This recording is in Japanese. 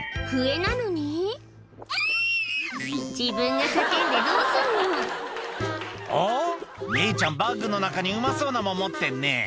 自分が叫んでどうすんの「おっ兄ちゃんバッグの中にうまそうなもん持ってんね」